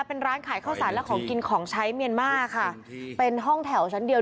เป็นร้านขายข้าวสารและของกินของใช้เมียนมาค่ะเป็นห้องแถวชั้นเดียว